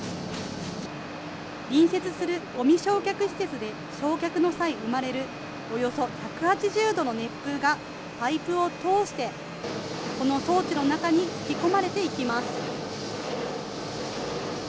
隣接するごみ焼却施設で焼却の際、生まれるおよそ１８０度の熱風がパイプを通して、この装置の中に吹き込まれていきます。